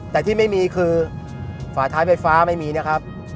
แต่ที่ไม่มีคือฝาท้ายไฟฟ้าไม่มีนะครับ